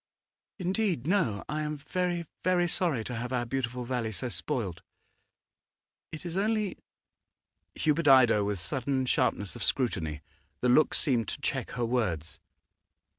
'Indeed, no. I am very, very sorry to have our beautiful valley so spoilt. It is only ' Hubert eyed her with sudden sharpness of scrutiny; the look seemed to check her words.